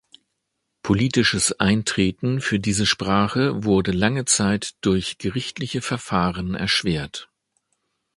Politisches Eintreten für diese Sprache wurde lange Zeit durch gerichtliche Verfahren erschwert.